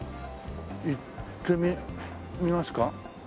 行ってみますか？